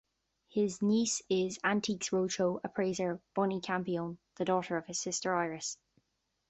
His niece is "Antiques Roadshow" appraiser Bunny Campione, the daughter of his sister, Iris.